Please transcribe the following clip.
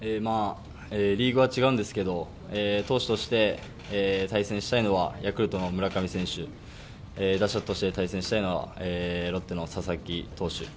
リーグは違うんですけども、投手として対戦したいのはヤクルトの村上選手、打者として対戦したいのはロッテの佐々木投手